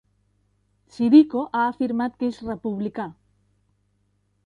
Sirico ha afirmat que és republicà.